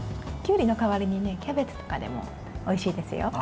きゅうりの代わりにキャベツとかでもおいしいですよ。